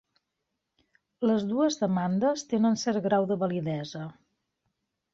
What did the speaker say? Les dues demandes tenen cert grau de validesa.